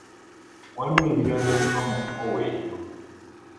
Waliwo ebirala ebigwa mu kkowe eryo.